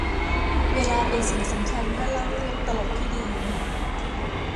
เวลาเป็นสิ่งสำคัญเมื่อเล่าเรื่องตลกที่ดี